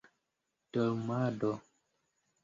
dormado